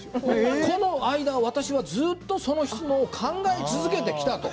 この間、私はずっとその質問について考え続けてきた。